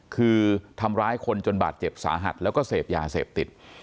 คือทำร้ายคนจนบาดเจ็บสาหัสแล้วก็เสพยาเสพติด